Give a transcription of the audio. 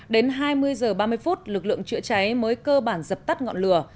đến hai mươi h ba mươi phút lực lượng chữa cháy mới cơ bản dập tắt ngọn lửa